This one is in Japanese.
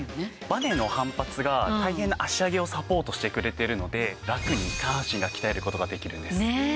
バネの反発が大変な脚上げをサポートしてくれてるのでラクに下半身が鍛える事ができるんです。